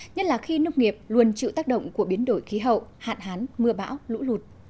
nhất là khi nông nghiệp luôn chịu tác động của biến đổi khí hậu hạn hán mưa bão lũ lụt